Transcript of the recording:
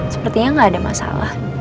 sepertinya gak ada masalah